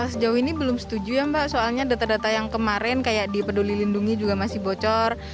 sejauh ini belum setuju ya mbak soalnya data data yang kemarin kayak di peduli lindungi juga masih bocor